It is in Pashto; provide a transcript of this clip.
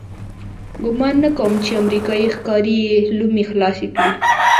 ګمان نه کوم چې امریکایي ښکاري یې لومې خلاصې کړي.